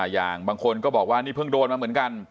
อย่างบางคนก็บอกว่านี่เพิ่งโดนมาเหมือนกัน